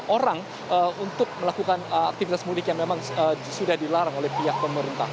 orang untuk melakukan aktivitas mudik yang memang sudah dilarang oleh pihak pemerintah